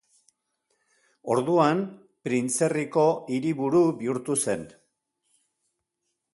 Orduan printzerriko hiriburu bihurtu zen.